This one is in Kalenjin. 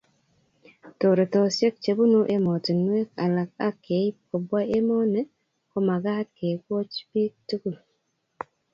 Toretosiek chebunu emotinwek alak ak keib kobwa emoni, komagat kekoch bik tugul